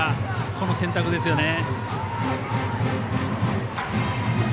この選択ですよね。